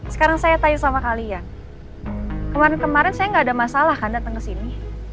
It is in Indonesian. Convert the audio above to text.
sekarang saya tanya sama kalian kemarin kemarin saya gak ada masalah kan datang kesini